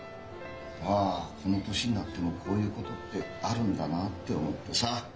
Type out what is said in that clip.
ああこの年になってもこういうことってあるんだなって思ってさ。